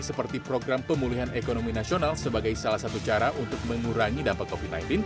seperti program pemulihan ekonomi nasional sebagai salah satu cara untuk mengurangi dampak covid sembilan belas